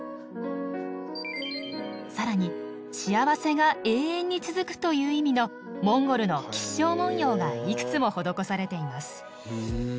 更に幸せが永遠に続くという意味のモンゴルの吉祥文様がいくつも施されています。